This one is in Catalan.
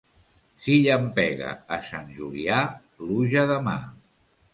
Si llampega a Sant Julià, pluja demà.